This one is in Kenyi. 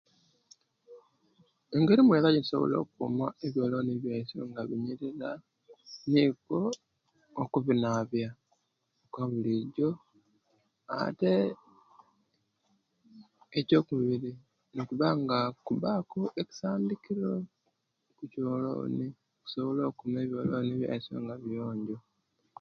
Engeri omuwala ejasobola okuma ebyoloni byaisu nga biyirira nikwo okubinabya bulijo ate ekyokubiri nokuba nga kuba ku ekisandikiro ku kyoloni tusobola okuma ebyoloni nga biyonjo